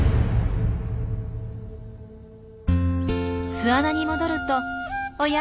巣穴に戻るとおや？